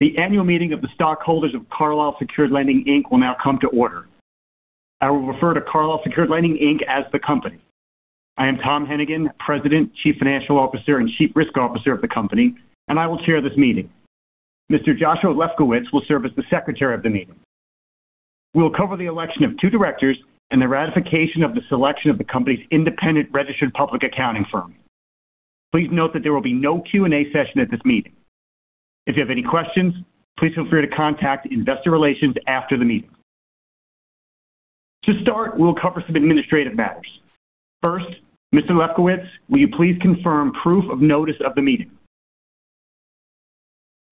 The annual meeting of the stockholders of Carlyle Secured Lending, Inc. will now come to order. I will refer to Carlyle Secured Lending, Inc. as the Company. I am Tom Hennigan, President, Chief Financial Officer, and Chief Risk Officer of the Company, and I will chair this meeting. Mr. Joshua Lefkowitz will serve as the Secretary of the meeting. We will cover the election of two Directors and the ratification of the selection of the company's independent registered public accounting firm. Please note that there will be no Q&A session at this meeting. If you have any questions, please feel free to contact investor relations after the meeting. To start, we will cover some administrative matters. First, Mr. Lefkowitz, will you please confirm proof of notice of the meeting?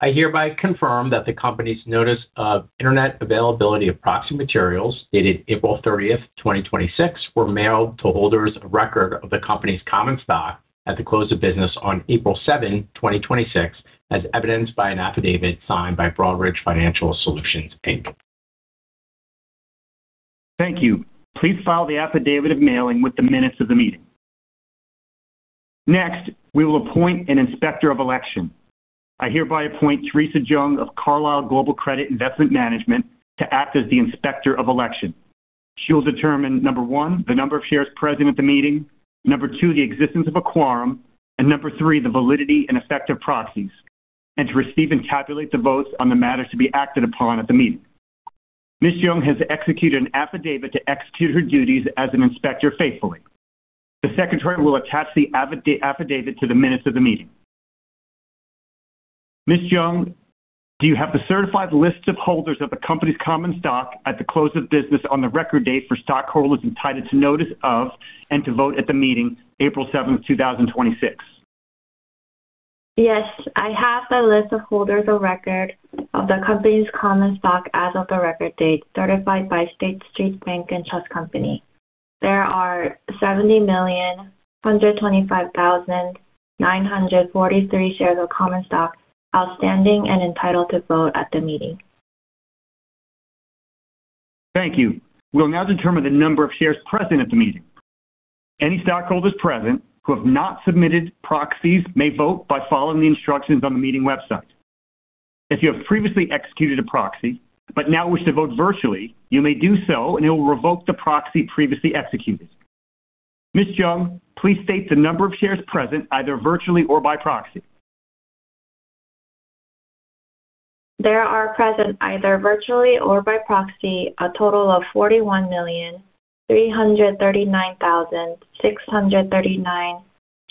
I hereby confirm that the company's notice of Internet availability of proxy materials dated April 30, 2026, were mailed to holders of record of the company's common stock at the close of business on April 7, 2026, as evidenced by an affidavit signed by Broadridge Financial Solutions, Inc. Thank you. Please file the affidavit of mailing with the minutes of the meeting. Next, we will appoint an Inspector of Elections. I hereby appoint Theresa Jung of Carlyle Global Credit Investment Management to act as the Inspector of Elections. She will determine, number one, the number of shares present at the meeting, number two, the existence of a quorum, and number three, the validity and effect of proxies, and to receive and calculate the votes on the matters to be acted upon at the meeting. Ms. Jung has executed an affidavit to execute her duties as an inspector faithfully. The Secretary will attach the affidavit to the minutes of the meeting. Ms. Jung, do you have the certified lists of holders of the company's common stock at the close of business on the record date for stockholders entitled to notice of, and to vote at the meeting on April 7, 2026? Yes, I have the list of holders of record of the company's common stock as of the record date certified by State Street Bank and Trust Company. There are 70 million, 125,943 shares of common stock outstanding and entitled to vote at the meeting. Thank you. We'll now determine the number of shares present at the meeting. Any stockholders present who have not submitted proxies may vote by following the instructions on the meeting website. If you have previously executed a proxy but now wish to vote virtually, you may do so, and it will revoke the proxy previously executed. Ms. Jung, please state the number of shares present, either virtually or by proxy. There are present, either virtually or by proxy, a total of 41 million, 339,639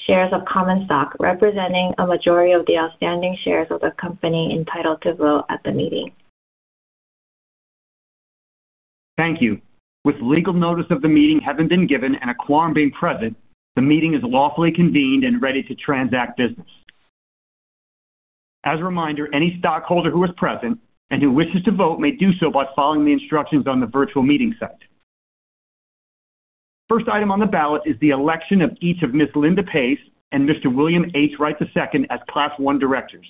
shares of common stock, representing a majority of the outstanding shares of the company entitled to vote at the meeting. Thank you. With legal notice of the meeting having been given and a quorum being present, the meeting is lawfully convened and ready to transact business. As a reminder, any stockholder who is present and who wishes to vote may do so by following the instructions on the virtual meeting site. First item on the ballot is the election of each of Ms. Linda Pace and Mr. William H. Wright II as Class I Directors,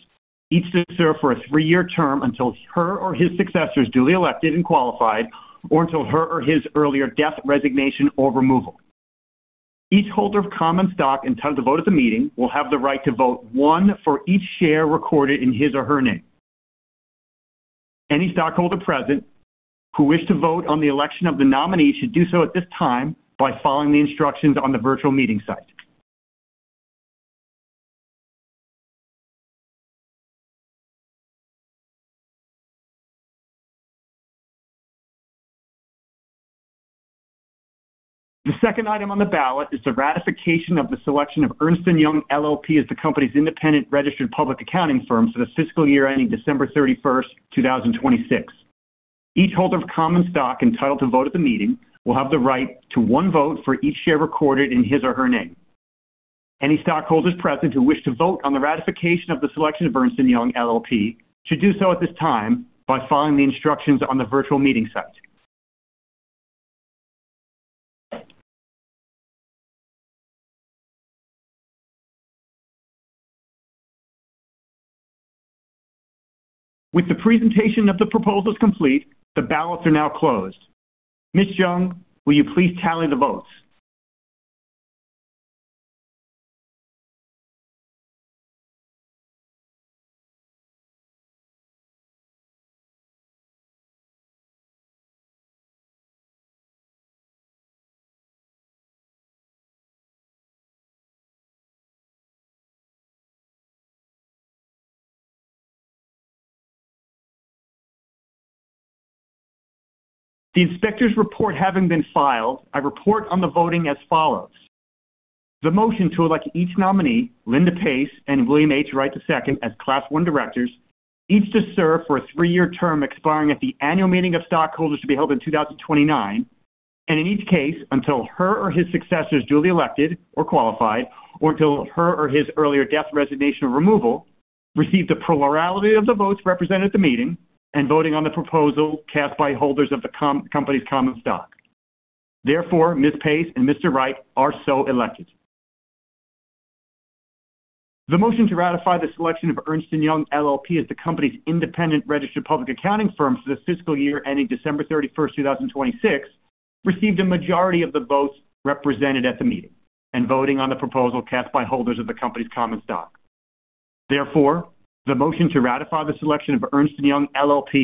each to serve for a three-year term until her or his successor is duly elected and qualified, or until her or his earlier death, resignation, or removal. Each holder of common stock entitled to vote at the meeting will have the right to vote one for each share recorded in his or her name. Any stockholder present who wish to vote on the election of the nominees should do so at this time by following the instructions on the virtual meeting site. The second item on the ballot is the ratification of the selection of Ernst & Young LLP as the company's independent registered public accounting firm for the fiscal year ending December 31st, 2026. Each holder of common stock entitled to vote at the meeting will have the right to one vote for each share recorded in his or her name. Any stockholders present who wish to vote on the ratification of the selection of Ernst & Young LLP should do so at this time by following the instructions on the virtual meeting site. With the presentation of the proposals complete, the ballots are now closed. Ms. Jung, will you please tally the votes? The inspector's report having been filed, I report on the voting as follows: The motion to elect each nominee, Linda Pace and William H. Wright II, as Class I directors, each to serve for a three-year term expiring at the annual meeting of stockholders to be held in 2029, and in each case, until her or his successor is duly elected or qualified, or until her or his earlier death, resignation, or removal, received a plurality of the votes represented at the meeting and voting on the proposal cast by holders of the company's common stock. Therefore, Ms. Pace and Mr. Wright are so elected. The motion to ratify the selection of Ernst & Young LLP as the company's independent registered public accounting firm for the fiscal year ending December 31st, 2026, received a majority of the votes represented at the meeting and voting on the proposal cast by holders of the company's common stock. Therefore, the motion to ratify the selection of Ernst & Young LLP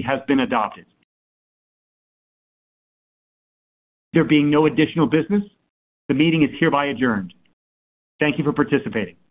has been adopted. There being no additional business, the meeting is hereby adjourned. Thank you for participating.